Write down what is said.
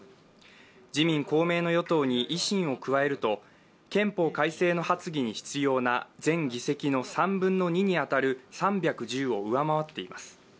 自民・公明の与党に維新を加えると憲法改正の発議に必要な全議席の３分の２に当たる３１０を上回っています。